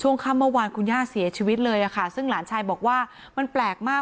ค่ำเมื่อวานคุณย่าเสียชีวิตเลยค่ะซึ่งหลานชายบอกว่ามันแปลกมาก